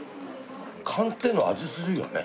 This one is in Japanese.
寒天の味するよね。